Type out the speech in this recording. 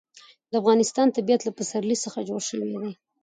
د افغانستان طبیعت له پسرلی څخه جوړ شوی دی.